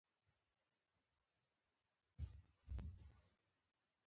زه هره ورځ لپټاپ کاروم.